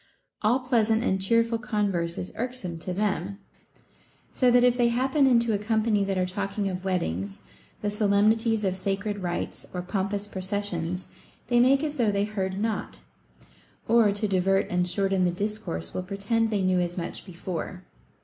All pleasant and cheerful converse is irksome to them ; so that if they hap pen into a company that are talking of weddings, the solemnities of sacred rites, or pompous processions, they make as though they heard not, or, to divert and shorten the discourse, will pretend they knew as much before.